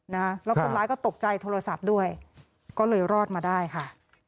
แล้วคนร้ายก็ตกใจโทรศัพท์ด้วยก็เลยรอดมาได้ค่ะ